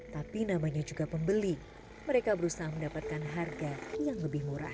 tapi namanya juga pembeli mereka berusaha mendapatkan harga yang lebih murah